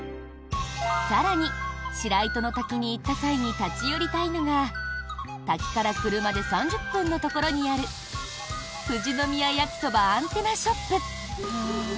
更に、白糸ノ滝に行った際に立ち寄りたいのが滝から車で３０分のところにある富士宮やきそばアンテナショップ。